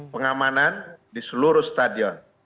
pengamanan di seluruh stadion